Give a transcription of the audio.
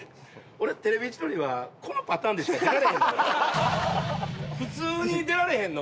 俺『テレビ千鳥』はこのパターンでしか出られへんの？普通に出られへんの？